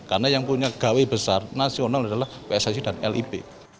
karena yang punya gawe besar nasional adalah pssi dan lib